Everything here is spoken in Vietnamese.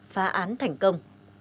phá án thành công